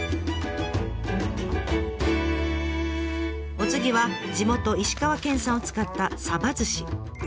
お次は地元石川県産を使った寿司。